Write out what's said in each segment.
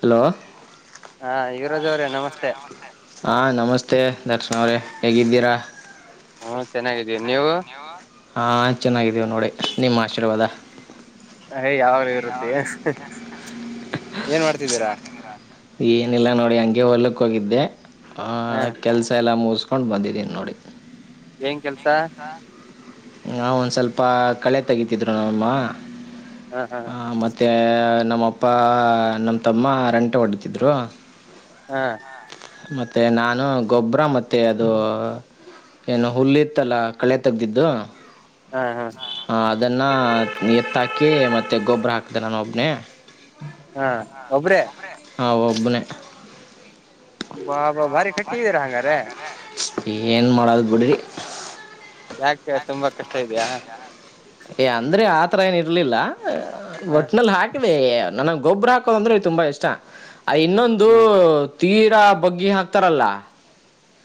Hello ಹಾ ಇವರೋಜ್ ಅವ್ರೆ ನಮಸ್ತೆ ಹಾ ನಮಸ್ತೆ ದರ್ಶನ ಅವ್ರೆ ಹೇಗಿದ್ದೀರಾ ಹ್ಮ ಚೆನ್ನಾಗಿದ್ದೀನೀ ನೀವು ಹಾ ಚೆನ್ನಾಗಿದ್ದೀವು ನೋಡಿ ನಿಮ್ಮ ಆಶೀರ್ವಾದ ಹೇ ಯಾವಾಗೂ ಇರುತ್ತೆ ಏನ್ ಮಾಡ್ತಿದ್ದೀರಾ ಏನಿಲ್ಲ ನೋಡಿ ಹಂಗೆ ಹೊಲಕ್ಕ ಹೋಗಿದ್ದೆ ಆ ಹ ಕೆಲಸ ಎಲ್ಲ ಮುಸ್ಕ ಕೊಂಡು ಬಂದಿದ್ದೀನಿ ನೋಡಿ ಏನ್ ಕೆಲ್ಸ ನಾ ಒಂದ್ ಸ್ವಲ್ಪ ಕಳೆತೆಗಿತಿದ್ರು ನಮ್ಮ ಹ ಹಾ ಅಮ್ಮ ಮತ್ತ ನಮ್ಮಪ್ಪ ನಮ್ಮ ತಮ್ಮ ರಂಟೆ ಹೊಡಿತ್ತಿದ್ರು ಹಾ ಮತ್ತೆ ನಾನು ಗೊಬ್ಬರ ಮತ್ತೆ ಅದು ಏನು ಹುಲ್ಲು ಇತ್ತಲ್ಲಾ ಕಳೆ ತೆಗೆದಿದ್ದು ಹಾ ಹಾ ಹ ಅದನ್ನ ಎತ್ತಹಾಕಿ ಮತ್ತೆ ಗೊಬ್ಬರ ಹಾಕ್ದೆ ನಾನು ಒಬ್ನೇ ಹಾ ಒಬ್ರೇ ಹಾ ಒಬ್ಬನೆ ಬಾ ಬಾ ಭಾರಿ ಕಟ್ಟಿದೀರಾ ಹಂಗಾರೆ ಏನ್ ಮಾಡೋದು ಬಿಡ್ರಿ ಹ್ಮ್ ಯಾಕೆ ತುಂಬಾ ಕಷ್ಟ ಇದಿಯಾ ಏ ಅಂದ್ರೆ ಆತರ ಏನ ಇರ್ಲಿಲ್ಲ ಹ ಒಟ್ಟನಲ್ಲಿ ಹಾಕ್ ನನಿಗೆ ಗೊಬ್ಬ್ರ ಹಾಕೋದು ಅಂದ್ರೆ ತುಂಬಾ ಇಷ್ಟ ಅ ಇನ್ನೊಂದು ಹ್ಮ್ ತೀರಾ ಬಗ್ಗಿ ಹಾಕ್ತಾರಲ್ಲ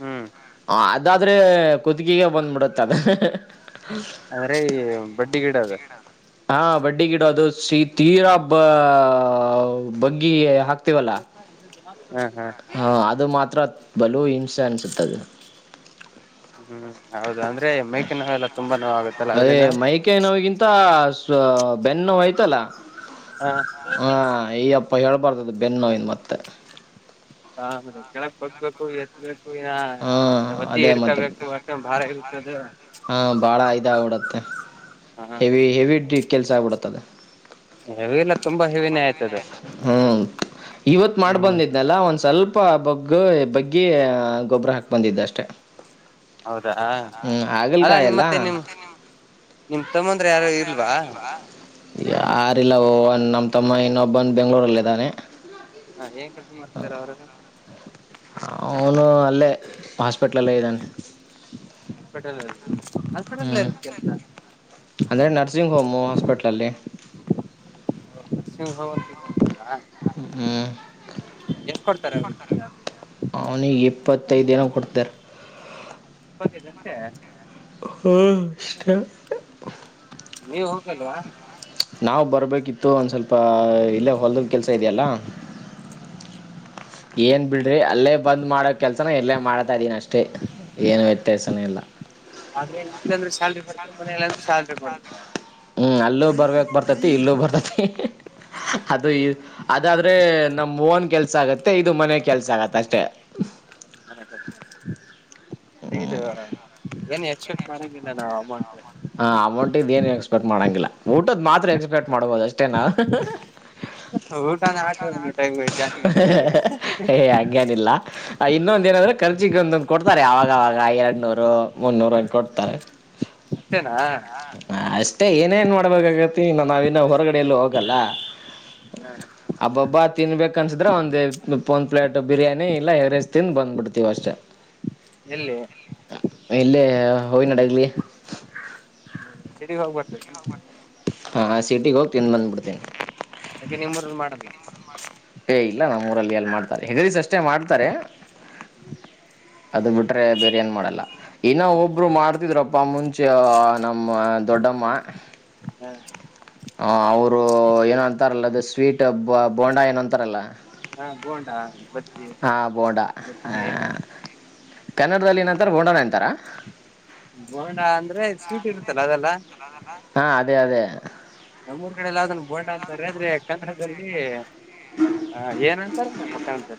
ಹ್ಮ್ ಹ ಅದಾದ್ರೆ ಕುತ್ಕಿಗೆ ಬಂದ್ಬಿಡತ್ತ ಅದ ಅಂದ್ರೆ ಈ ಬಡ್ಡಿ ಗಿಡದು ಹ ಬಡ್ಡಿ ಗಿಡದು ಸಿ ತೀರಾ ಬಾಗ್ಗಿ ಹಾಕ್ ವಲ್ಲ ಹ ಹಾ ಹ ಅದು ಮಾತ್ರ ಬಲು ಹಿಂಸೆ ಅನಿಸುತ್ತೆ ಅದು ಹ್ಮ್ ಹೌದ ಅಂದ್ರೆ ಮೈಕೈ ನೋವು ಎಲ್ಲಾ ಅದೇ ಮೈಕೈ ನೋಗಿಂತ ಬೆನ್ನು ನೋಯ್ತಲ್ಲ ಹ ಹಾ ಈಯಾಪ್ಪ ಹೇಳ್ಬಾರ್ದ್ದ ಬೆನ್ನೋವಿಂದ ಮತ್ತೆ ಹ ಕೆಳಕ್ ಬಗ್ಬೇಕು ಎತ್ತಬೇಕು ಹಾ ಮತ್ತೆ ಬಗ್ಗಿ ಅದೇ ಮತ್ತೆ ಇಡ್ಕೋಬೇಕು ಅಂತ ಬಾಳ ಇರುತ್ತದ್ದೆ ಹಾ ಭಾಳ ಇದಯಾಗಬಿಡುತ್ತೆ ಹೆವಿ ಹೆವಿ ಡ ಕೆಲ್ಸ ಆಗಿಬಿಡುತ್ತೆ ಅದು ಹೆವಿ ಅಲ್ಲ ತುಂಬಾ ಹೆವಿನೆ ಆಯ್ತು ಅದು ಹ್ಮ್ ಇವತ್ ಮಾಡಿ ಬಂದಿದ್ನಲ್ಲ ಒಂದ್ ಸ್ವಲ್ಪ ಸ್ವಲ್ಪ ಬಗ್ಗು ಬಗ್ಗಿ ಗೊಬ್ಬರ ಹಾಕಿ ಬಂದಿದ್ದು ಅಷ್ಟೆ ಹೌದಾ ಹ್ಮ್ ಅಲ್ಲ ನಿಮ್ಮ ಆಗಲ್ಕಾಯಲ್ಲ ಮತ್ತೆ ನಿಮ್ ನಿಮ್ ತಮ್ಮಂದ್ರು ಯಾರು ಇಲ್ವಾ ಯಾರಿಲ್ಲ ಓ ಒ ನಮ್ಮ ತಮ್ಮ ಇನ್ನೊಬ್ಬನ ಬೆಂಗಳೂರಲ್ಲಿ ಇದ್ದಾನೆ ಹಾ ಏನ್ ಕೆಲಸ ಮಾಡ್ತಿದಾರೆ ಅವ್ರು ಅಲ್ಲಿ ಅವನು ಅಲ್ಲೇ ಹಾಸ್ಪಿಟ್ಲಲ್ಲೇ ಇದ್ದಾನೆ ಹಾಸ್ಪೆಟಲ್ ಅಲ್ಲಿ ಹಾಸ್ಪೆಟಲ್ ಏನ್ ಕೆಲಸ ಅದೇ ನರ್ಸಿಂಗ್ ಹೋಮು ಹಾಸ್ಪಿಟ್ಲಲ್ಲಿ ನರ್ಸಿಂಗ್ ಹೋಂ [unintelligible] ಹ್ಮ್ ಕೊಡ್ತಾರೆ ಅವ್ರಿಗೆ ಸ್ಯಾಲರಿ ಅವನಿಗೆ ಇಪ್ಪತ್ತೈದುದಿನ ಕೊಡ್ತಾರೆ ಇಪತ್ತುಐದು ದಿನ ಅಷ್ಟೇ ಹ್ಮ್ ಅಷ್ಟೇ ನೀವು ಹೋಗಕ್ಲ್ವಾ ನಾವು ಬರಬೇಕಿತ್ತು ಒಂದು ಸ್ವಲ್ಪ ಇಲ್ಲೇ ಹೊಲದ ಕೆಲಸ ಇದೆಯಲ್ಲ ಹ್ಮ ಏನ್ ಬಿಡ್ರಿ ಅಲ್ಲೇ ಬಂದ್ ಮಾಡೋ ಕೆಲ್ಸನ ಎರ್ಲ್ಲೇ ಮಾಡ್ತಾ ಇದ್ದೀನ ಅಷ್ಟೇ ಏನು ವ್ಯತ್ಯಾಸನ ಇಲ್ಲ ಆದ್ರೆ ಇಲ್ಲಂದ್ರೆ ಶಾಲಲ್ರಿ ಬರ್ತ ಮನ್ರೆ ಹ್ಮ್ ಅಲ್ಲೂ ಬರ್ಬೇಕಕ್ ಬರ್ತತಿ ಇಲ್ಲೂ ಬರ್ತತಿ ಅದು ಈ ಅದಾದ್ರೆ ನಮ ಓನ್ ಕೆಲ್ಸ ಆಗತ್ತೆ ಇದು ಮನೆ ಕೆಲ್ಸ ಆಗತ್ತೆ ಅಷ್ಟೆ ಹ [inaudible] ಏನ್ ಎಕ್ಸ್ಪೆಕ್ಟ್ ಮಾಡಂಗಿಲ್ಲ ನಾವವು ಅಮೌಂಟ್ ಹಾ ಅಮೌಂಟ್ ಇದ ಏನು ಎಕ್ಸ್ಪೆಕ್ಟ್ ಮಾಡಂಗಿಲ್ಲ ಊಟದ್ ಮಾತ್ರ ಎಕ್ಸ್ಪೆಕ್ಟ್ ಮಾಡ್ಬೋಹುದು ಅಷ್ಟೇ ನಾವು ಊಟನ ಆಟ ಟೈಮ್ ಜಾಸ್ತಿ ಮಾಡಿದ್ರೆ ಏ ಹಂಗನಿಲ್ಲ ಇನ್ನೊಂದ ಏನಂದ್ರೆ ಖರ್ಚಿಗೆ ಒಂದೊಂದು ಕೊಡ್ತಾರೆ ಆವಾಗವಾಗ ಎರಡ್ ನೂರು ಮುನ್ನೂರು ಅಂತ ಕೊಡ್ತಾರೆ ಅಷ್ಟೇನಾ ಅಷ್ಟೇ ಏನೇನ್ ಮಾಡ್ಬೇಕಾಗತಿ ಇನ್ನು ನಾವಿನ್ನ ಹೊರಗಡ ಎಲ್ಲೂ ಹೋಗಲ್ಲ ಹ್ಮ ಹಬ್ಬಬ್ಬ ತಿನ್ಬೇಕ ಅನ್ಸಿದ್ರೆ ಒಂದು ಒಂದು ಪ್ಲೇಟ್ ಬಿರಿಯಾನಿ ಇಲ್ಲ ಎವರೇಜ್ ತಿಂದ್ ದ ಬಂದ್ಬಿಡ್ತೀವಿ ಅಷ್ಟೇ ಎಲ್ಲಿ ಎಲ್ಲೇ ಹೋಗ ನಡಗ್ಲಿ ಹ್ಮ ಚೆಡಿಗ್ ಹೋಗ್ಬರ್ತೇ ಹಾಂ ಸಿಟಿಗೆ ಹೋಗಿ ತಿಂದ್ ದ ಬಂದುಬಡ್ತೇ ಯಾಕೆ ನಿಮ್ಮೂರರು ಮಾಡಲ್ಲ ಪೇ ಇಲ್ಲ ನಮ್ಮ ಊರಲ್ಲಿ ಎಲ್ಲಿ ಮಾಡ್ತಾರೆ ಹೆಗರಿಸರಿಸ ಅಷ್ಟೇ ಮಾಡ್ತಾರೆ ಅದು ಬಿಟ್ರರೆ ಬಿರಿಯಾನಿ ಮಾಡಲ್ಲ ಇನ್ನು ಒಬ್ರು ಮಾಡ್ತಿದ್ರಪ್ಪ ಮುಂಚೆ ನಮ್ಮ ದೊಡ್ಡಮ್ಮ ಹ್ಮ್ ಹಾಂ ಅವರು ಏನು ಅಂತಾರಲ್ಲ ಅದು ಸ್ವೀಟ್ ಬ ಬೋಂಡ ಏನು ಅಂತಾರಲ್ಲ ಹಾ ಬೋಂಡಾ ಬಜ್ಜಿ ಹ ಬೋೊಂಡಾ ಆ ಮಿರ್ಚಿ ಕನ್ನಡದಲ್ಲಿ ಏನಂತಾರೆ ಗೋಡೋಣೆ ಅಂತಾರ ಬೋಣ ಅಂದ್ರೆ ಸ್ಟ್ ಇರುತ್ತಲ್ಲ ಅದೆಲ್ಲಾ ಹಾ ಅದೇ ಅದೇ ನಮ್ಮೂಊರ್ ಕಡೆಲ್ಲನ್ ಬೋಂಡ ಅಂತಾರೆ ಆದ್ರೆ ಕನ್ನಡದಲ್ಲಿ ಆ ಏನ ಬಕ ಅಂತ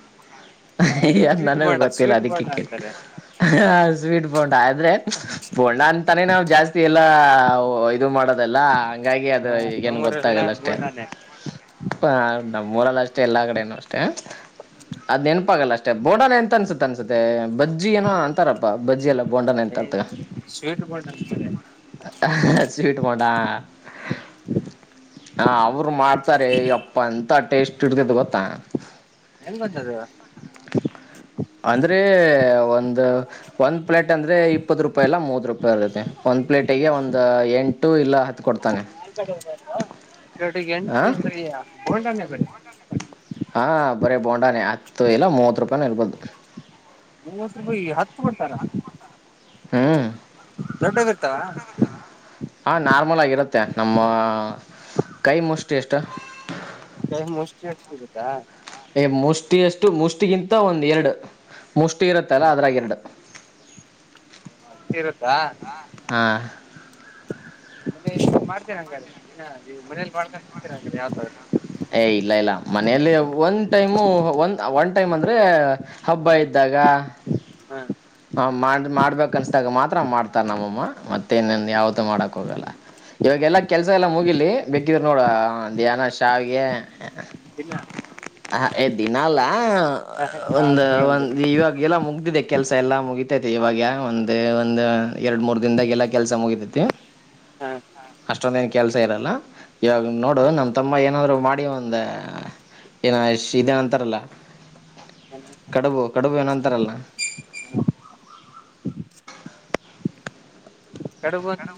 ಅ ನನಗೂ ಗೊತ್ತಿಲ್ಲ ಬೋಂಡಾ ಅದಕ್ಕಕ್ಕೆ ಅಂತಾರೆ ಹ ಸ್ವೀಟ್ ಬೋೊಂಡ ಆದ್ರೆ ಬೋೊಂಡ ಅಂತಾನೇ ನಾವವು ಜಾಸ್ತಿ ಎಲ್ಲಾ ಇದು ಮಾಡೋದಲ್ಲ ಹಂಗಾಗಿ ಹಾ ಅದು ಈಗೇನು ನಮ್ಮೂರಲ್ಲೆಲ್ಲ ಗೊತ್ತಾಗಲ್ಲ ಅಷ್ಟೇ ಬೋಂಡಾನೆ ಹ ನಮ್ಮ್ ಊರಲ್ಲ ಅಷ್ಟೇ ಎಲ್ಲಾ ಕಡೆನುೂ ಅಷ್ಟೇ ಅದ್ ನೆನಪಾಗಲ್ಲ ಅಷ್ಟೇ ಮ ಬೋಂಡಾನೆ ಎಂತ ಅನ್ಸುತ್ತೆ ಅನ್ಸೆ ಬಜ್ಜಿ ಏೋ ಅಂತಾರಪ್ಪಾ ಬಜ್ಜಿ ಎಲ್ಲ ಬೋಂಡಾನೆ ಎಂತ ಅರ್ತ ಬೇಟ ಮಾಡಣ ಸರಿ ಸ್ವೀಟ್ ಮಾಡೋಟಾ ಹ ಅವರು ಮಾಡ ಹತಾರೆ ಅಪ್ಪ ಅಂತ ಟೇಸ್ಟ್ ಇಡ್ತೇತೆ ಗೊತ್ತಾ ಹೆಂಗ ಗತ್ತದ ಅಂದ್ರೆ ಒಂದು ಒಂದ್ ಪ್ಲೇಟ್ ಅಂದ್ರೆ ಇಪ್ಪತ್ ರೂಪಾಯಿ ಇಲ್ಲ ಮೂವತ್ ರೂಪಾಯಿ ಇರುತ್ತೆ ಒಂದ್ ಪ್ಲೇಟಗೆ ಒಂದ್ ಎಂಟು ಇಲ್ಲಾ ಹತ್ತು ಕೊಡ್ ನಾಲ್ ಕಡೆ ಇಲ್ವಾಡು ಹ ಎಂಟು ಅಂದ್ರೆ ಬೋಂಡಾನೆ ಕಡೆ ಹಾಂ ಬರೀ ಬೋಂಡಾನೆ ಹತ್ತು ಇಲ್ಲ ಮೂವತ್ತು ರೂಪಾಯನೂ ಇರ್ಬೋದು ಮೂವತ್ಪಾಯ ಹತ್ತು ಕೊಡ್ತಾರ [inaudible] ಹಾ [unintelligible] ಹಾ ನಾರ್ಮಲ್ ಆಗಿರುತ್ತೆ ನಮ್ಮ ಕೈ ಮುಷ್ಟಿ ಎಷ್ಟ. ಕೈ ಮುಷ್ಟಿ ಎಷ್ಟ ಸಿಗತ್ತಾ. ಕೈ ಮುಷ್ಟಿಯಷ್ಟು ಮುಷ್ಟಿಗಿಂತ ಒಂದ ಎರಡು. ಮುಷ್ಟಿ ಇರುತ್ತಲ್ಲ ಅದ್ರಗ ಎರಡು. ಅಷ್ಟ ಇರುತ್ತಾ. ಹಾ ಮತ್ತೆ ಮಾಡ್ತಿರಾ ಹಂಗಾದ್ರೆ ದಿನ ನೀವು ಮನೇಲಿ ಮಾಡ್ಕೊಂಡ ತಿಂತೀರಾ ಹಂಗಾದ್ರೆ ಯಾವಗಾದ್ರೂ. ಏ ಇಲ್ಲ ಇಲ್ಲ ಮನೆಯಲ್ಲಿ ಒನ್ ಟೈಮು ಒ [unintelligible] ಒನ್ ಟೈಮ್ ಅಂದ್ರೆ. ಹಬ್ಬ ಇದ್ದಾಗ. [inaudible] ಹ ಮಾಡ ಮಾಡ್ಬೇಕ ಅನ್ಸ್ದಾಗ ಮಾತ್ರ ಮಾಡ್ತಾರ ನಮ್ಮಮ್ಮ ಮತ್ತೆ ಇನ್ನೊಂದು ಯಾವ್ದು ಮಾಡಕ್ ಹೋಗಲ್ಲ. ಇವಾಗೆಲ್ಲ ಕೆಲಸ ಎಲ್ಲ ಮುಗಿಲಿ ಬೇಕಿದರು ನೋಡ ಏನೋ ಶಾವಿಗೆ ದಿನ [unintelligible] ಹ ಎ ದಿನ ಅಲ್ಲ ಹ ಹ ಒಂದ ಯಾವಾಗಾದ್ರೂ ಒಂದ್ ದಿನ ಒಂದು ಇವಾಗ ಎಲ್ಲ ಮುಗ್ದಿದೆ ಕೆಲ್ಸ [unintelligible] ಎಲ್ಲಾ ಮುಗಿತೈತಿ ಇವಾಗ ಒಂದ್ ಒಂದ್ ಎರಡ್ ಮೂರ್ ದಿನದಾಗ ಎಲ್ಲಾ ಕೆಲ್ಸ ಮುಗಿತತಿ. ಹಾ ಅಷ್ಟೊಂದೇನ್ ಕೆಲ್ಸ ಇರಲ್ಲ ಇವಾಗ ನೋಡು ನಮ್ಮ ತಮ್ಮ ಏನಾದ್ರು ಮಾಡಿ ಒಂದ ಏನು [unintelligible] ಇದೇನಂತಾರಲ್ಲ ಕಡುಬು ಕಡುಬು ಏನೋ ಅಂತಾರಲ್ಲ [unintelligible] [unintelligible]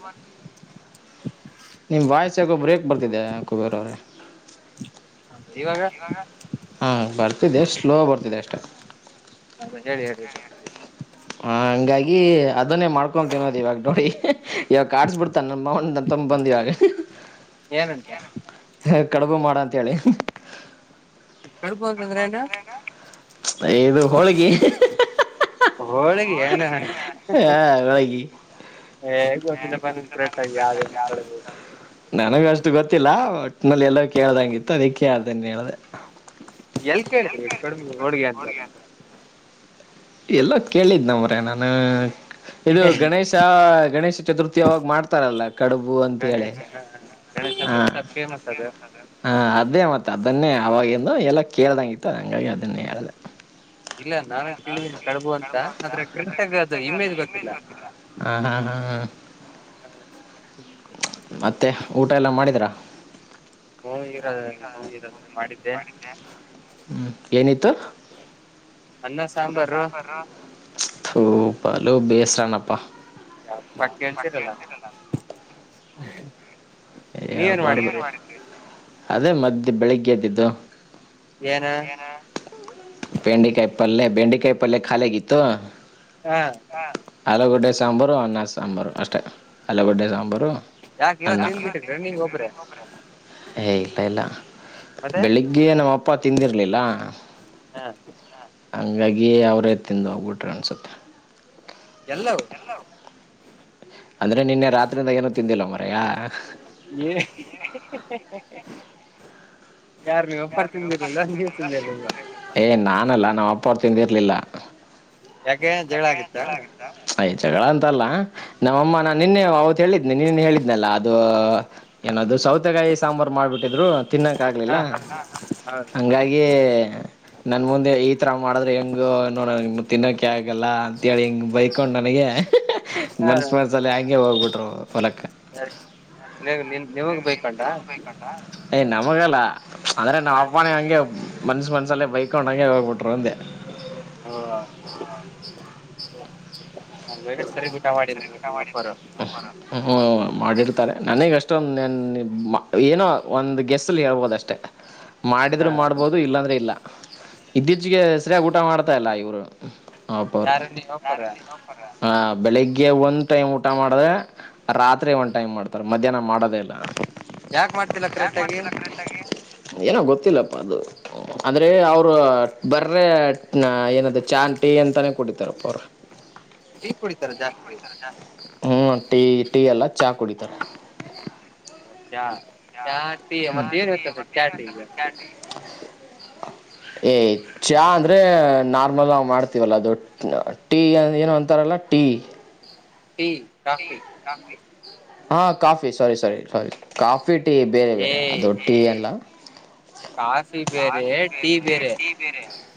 ನಿಮ್ಮ ವಾಯ್ಸ್ ಯಾಕೋ ಬ್ರೇಕ್ ಬರ್ತಿದೆ ಯಾಕೋ. [unintelligible] ಇವಾಗ. ಹಾ ಬರ್ತಿದೆ ಸ್ಲೋ ಬರ್ತಿದೆ ಅಷ್ಟೇ. [unintelligible] ಇವಾಗ್ ಹೇಳಿ ಹೇಳಿ ಬರ್ತಿ ಹಂಗಾಗಿ ಅದನ್ನೇ ಮಾಡ್ಕೊ ತಿನ್ನೋದು ಇವಾಗ ನೋಡಿ ಇವಾಗ ಕಡ್ಸ್ ಬಿಡ್ತಾನ ನಮ್ ಮಾವನ ನಮ್ಮ ತಮ್ಮ [unintelligible] ಇವಾಗ. [unintelligible] ಏನಂತ. ಹ ಕಡುಬು ಮಾಡ ಅಂತೇಳಿ. ಕಡಬು ಅಂತ ಅಂದ್ರೆ ಏನ. [unintelligible] ಇದು ಹೋಳಿಗೆ. [unintelligible] ಹೋಳಿಗೆಯಾನ ಆ, [unintelligible] ಹೋಳಿಗೆ [unintelligible] ಕ್ರರೆಟ್ ಆಗಿ ಯಾವ್ದ್ ಏನು [unintelligible] ನನಗ ಅಷ್ಟು ಗೊತ್ತಿಲ್ಲ ಒಟ್ನಲ್ಲಿ ಎಲ್ಲೋ ಕೇಳ್ದಂಗ ಇತ್ತು ಅದಕ್ಕೆ ಅದನ್ನ ಹೇಳ್ದೆ. ಎಲ್ ಕೇಳಿದ್ವಿ ಕಡಬು ಹೋಳಿಗೆ ಅಂತಾ. ಎಲ್ಲೋ ಕೇಳಿದ್ ನಮ್ರ ನಾನು ಇದು ಗಣೇಶ್ [unintelligible] ಗಣೇಶ ಚತುರ್ಥಿ ಅವಾಗ್ ಮಾಡ್ತಾರಲ್ಲ. ಕಡಬು. [unintelligible] ಗಣೇಶ ಹಾ ಗಣೇಶ ಹಬ್ಬ [unintelligible] ಫೇಮಸ್ ಅದು. ಹಾ ಅದೇ ಮತ್ತ ಅದನ್ನೇ ಅವಾಗಿಂದ ಎಲ್ಲೋ ಕೇಳ್ದಂಗ ಇತ್ತು ಹಂಗಾಗಿ ಅದನ್ನೇ ಹೇಳ್ದ. ಇಲ್ಲ ನಾನು ಕೇಳಿದಿನಿ ಕಡಬು ಅಂತ ಆದ್ರೆ ಕರೆಕ್ಟಗ ಅದು ಇಮೇಜ್ ಗೊತ್ತಿಲ್ಲ. ಹಾ ಹಾ ಹಾ ಹ. ಮತ್ತೆ ಊಟ ಎಲ್ಲ ಮಾಡಿದರಾ. ಹಿ [unintelligible] ಹೋಗಿದತ್ತ್ರ ಮಾಡಿದ್ದೆ. ಹ್ಮ್ ಏನಿತ್ತು. ಅನ್ನ ಅಣ್ಣ ಸಾಂಬಾರು ಸಾಹುಕಾರು ಥೂ ಬಲು ಬೇಸರನಪ್ಪ ಪಾಟಕಿ ಅನ್ಸರಲ್ಲ ಹಬಾರ್ದು ಅದೇ ಮದೆ ಬೆಳಿಗ್ಗೆ ದ್ದಿದ್ದು ಏನ ಭೆಂಡಿಕಾಯಿ ಪಲ್ಲ್ಲ ಭೆಂಡಿಕಾಯಿ ಪಲ್ ಖಾಲ ಗಿತ್ತು ಹಾ ಆಲೂಗಡ್ಡೆ ಸಾಂಬಾರು ಅನ್ನ ಸಾಂಬಾರು ಅಷ್ಟೇ ಆಲೂಗಡ್ಡೆ ಸಾಂಬಾರು ಯಾಕೆಏೋ ಅನ್ನ ತಿದ್ ಬಿಟಿ ರಣಿಂಗ್ ಒಬ್ರೆ ಏ ಇಲ್ಲ ಇಲ್ಲ ಮತ್ತೆ ಬೆಳಗ್ಗೆ ನಮ್ಮಪ್ಪ ತಿಂದಿರ್ಲಿಲ್ಲ ಹಾ ಹಂಗಾಗಿ ಅವ್ರೇ ತಿಂದು ಹೋಗ್ಬಿಟ್ರೆ ಅನ್ಸುತ್ತೆ ಎಲ್ಲವು ಹ ಅಂದರೆ ನಿನ್ನೆ ರಾತ್ರಿಯಿಂದಾಗ ಏನೂ ತಿಂದಿಲ್ಲ ಮರೆಯ [inaudible] ಯಾರ ನೀವು ಒಬ್ರು ತಿಂದಿರ್ಲ್ವ ನೀವು ತಿಂದಿರ್ಲ್ವಾ ಏ ನಾನಲ್ಲ ನಮ್ಮ್ ಅಪ್ಪ ಅವರು ತಿಂದಿರ್ಲಿಲ್ಲ ಯಾಕೆ ಜಗಳ ಆಗಿತ್ತಾ ಆಯ್ ಜಗಳ ಅಂತಲ್ಲ ನಮ್ಮಮ್ಮ ನಾನ್ ನಿನ್ನೆ ಅವತ್ ಹೇಳಿದ್ನನೆ ನಿನ್ನ ಹೇಳಿದ್ನಲ್ಲಾ ಅದು ಏನ ಸೌತೆಕಾಯಿ ಸಾಂಬಾರು ಮಾಡ್ಬಿಟ್ಟಿದ್ರು ತಿನ್ನಕ ಹಾ ಆಗ್ಲಿಲ್ಲ ಹಾ ಹೌದಾ ಹಂಗಾಗಿ ನನ್ ಮುಂದೆ ಈ ತರ ಮಾಡಿದ್ರೆ ಹೆಂಗುನ್ನೋ ನ ತಿನ್ನೋಕೆ ಆ ಹಾಗಲ್ಲ ಅಂತೇಳಿ ಹಿಂಗ್ ಬೈಕೊಂಡ್ ನನಗೆ ಹಾ ಮನ್ಸ ಮನ್ಸಲ್ಲಿ ಹಂಗೆ ಹೋಗ್ಬಿಟ್ರು ಹೊಲಕ್ಕ ಯ ನೀ ನಿ ನಿವಗ್ ಬೈಕ್ಂಟ ಯ್ ನಮಗಲ್ಲ ಅಂದ್ರೆ ನಾವ್ ಹ ಅಪ್ಪಾನಿ ಹಂಗೆ ಮನ್ಸ ಮನ್ಸಲ್ಲೇ ಬೈಕ್ ಒೋಂಗೆ ಹೋಗ್ಬಿಟ್ರು ಒಂದೆ ಹ್ಮ ಹ ಬೇಗ ಸರಿ ಊಟ ಮಾಡಿಲ್ಲ ನಿವ ಅಪ್ಪರು ಹ್ಮ್ ಮಾಡಿರ್ತಾರೆ ನನಗೆ ಅಷ್ಟೊಂದು ನ ಏನೋ ಒಂದು ಗೆಸ್ಲ್ಲಿ ಹೇಳ್ಬೋದ ಅಷ್ಟೆ ಹ ಹ ಮಾಡಿದರೂ ಮಾಡ್ಬೋದು ಇಲ್ಲಾಂದರೆೆ ಇಲ್ಲ ಇತ್ತೀಚೆಗೆ ಹೆಸರಿಾಗಿ ಊಟ ಮಾಡ್ತಾಯ ಇಲ್ಲ ಇವರು ಯಾರ ನೀ ಹಪರ ಹಾ ಬೆಳಿಗ್ಗೆ ಒಂದ್ ಟೈಮ್ ಊಟ ಮಾಡಿದ್ರೆ ರಾತ್ರಿ ಒಂದ್ ಟೈಮ್ ಮಾಡ್ತಾರ ಮಧ್ಯಾಹ್ನ ಮಾಡೋದೇ ಇಲ್ಲ ಯಾಕ್ ಮಾಡ್ತಿಲ್ಲ ಯಾ ಕರೆಕ್ಟ್ ಆಗಿ ಮಾಡ್ತಿ ಏನೋ ಗೊತ್ತಿಲ್ಲಪ್ಪಾ ಅದು ಅಂದರೆ ಅವರು ಬರ್ರ ಏನದ ಚಾನ್ ಟೀ ಅಂತಾನೇ ಕುಡಿತಾರಪ್ಪ ಅವರು ಈನ್ ಕುಡಿತಾರೆ ಜಾಸ್ತಿ ಜಾಸ್ತಿ ಹ್ಞೂ ಟೀ ಟೀ ಎಲ್ಲ ಚಹಾ ಕುಡಿತಾರೆ ಅತ್ಯಾ ಮತ್ತೆ ಏನ್ಂತ [unintelligible] ಏಯ್ ಚಾ ಅಂದ್ರೆ ನಾರ್ಮಲ್ ಮಾಡ್ತೀವಲ್ಲ ದೊಡ್ಡ ಟೀ ಏನು ಅಂತಾರಲ್ಲ ಟೀ ಟೀ ಕಾಫಿ ಹಾ ಕಾಫಿ ಸರಿ ಸರಿ ಸರಿ ಕಾಫಿ ಟೀ ಬೇರೆ ಏ ಬೇರೆ ಅದು ಟೀ ಎಲ್ಲ ಕಾಫಿ ಬೇರೆ ಟೀ ಬೇರೆ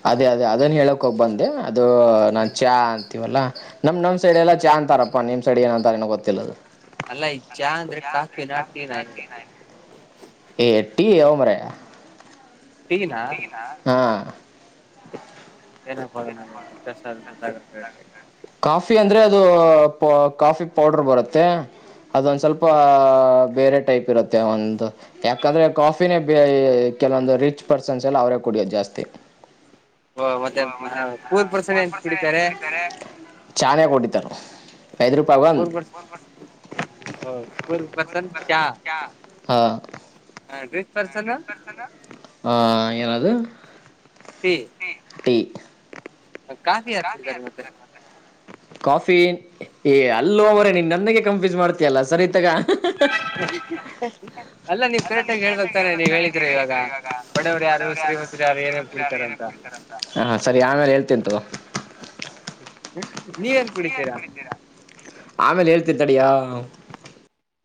ಅದೇ ಅದೇ ಅದನ್ ಹೇಳಕ್ ಹೋಗ್ಬಂದೆ ಅದು ಹ ನಾನ್ ಚಾ ಅಂತೀವಲ್ಲಾ ನಮ್ ನಮ ಸೈಡ್ ಎಲ್ಲ ಚಾ ಅಂತಾರಪ್ಪ ನಿಮ್ ಸೈಡ್ ಏ ಅಂತಾರೆಏನ ಗೊತ್ತಿಲ್ಲದು ಅಲ್ಲ ಈ ಚಾ ಅಂದ್ರೆ ಕಾಫಿ ನಾ ಟೀ ನ ಹೇಳ ಎಏ ಟಿ ಅವ ಮ್ರ ಟೀನಾ ಹಾ ಏ ಪಡ ಕಾಫಿ ಅಂದ್ರೆ ಅದು ಕಾಫಿ ಪೌಡರ್ ಬರುತ್ತೆ ಅದೊಂದು ಸ್ವಲ್ಪ ಬೇರೆ ಟೈಪ್ ಇರುತ್ತೆ ಒಂದು ಯಾಕಂದ್ರೆ ಕಾಫಿನೇ ಕೆಲವೊಂದು ರಿಚ್ ಪರ್ಸನ್ಸ್ ಎಲ್ಲ ಅವ್ರೇ ಕುಡಿಯೋದು ಜಾಸ್ತಿ ಹಓ ಮತ್ತೆ ಪೂರ್ರ್ಸ ಚಾನೆ ಕೊಟ್ಟಿದ್ದರು ಐದ ರೂಪಗುವ ಹರ್ ಪಸಂ ಚಾ ಹಾೀ [inaudible] ಹ ಏನದು ಪಿ [inaudible] ಕಾಫಿ ಯಾರ್ ಕುಡಿತಾರೆ ಮತ್ತೆ ಕಾಫಿ ಏ್ ಅಲ್ಲೋ ಅವರೇ ನೀನ್ ನನಗೆ ಕನ್ಫ್ಯೂಸ್ ಮಾಡ್ತಿಯಯಲ್ಲ ಸರಿ ಇತ್ತಗ [inaudible] ಅಲ್ಲ ನೀವ್ ಕರೆಕ್ಟ್ಗಿ ಹೇಳ್ಬೇಕಕ್ತಾನೆ ನೀವ್ ಹೇಳಿದ್ರ ಇವಾಗ ಬಡವ್ರು ಯಾರು ಶ್ರೀಮಂತರಿ ಯಾರು ಏನ ಕುಡಿತಾರ ಅಂತ ಹ ಹ ಸರಿ ಆಮೇಲೆ ಹೇಳ್ತಂತು ನೀವೇನ್ ಕುಡಿತೀರಾ ಆಮೇಲೆ ಹೇಳ್ತಿ ತಡಿಯ